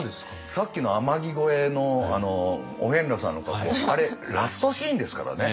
さっきの「天城越え」のお遍路さんのとこあれラストシーンですからね。